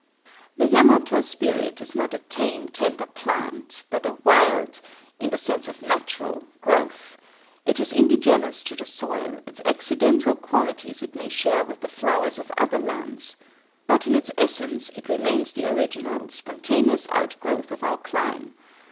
] The Yamato spirit is not a tame, tender plant, but a wild—in the sense of natural—growth; it is indigenous to the soil; its accidental qualities it may share with the flowers of other lands, but in its essence it remains the original, spontaneous outgrowth of our clime.